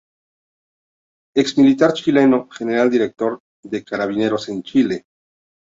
Ex militar chileno, General director de Carabineros de Chile.